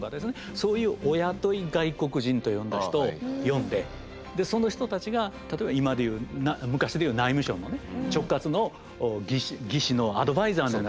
そういうお雇い外国人と呼んだ人を呼んででその人たちが例えば昔で言う内務省のね直轄の技師のアドバイザーのような形で。